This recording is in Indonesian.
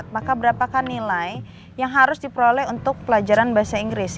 maka berapakah nilai yang harus diperoleh untuk pelajaran bahasa inggris